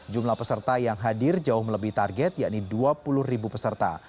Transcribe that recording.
jumlah peserta yang hadir jauh melebih target yakni dua puluh ribu peserta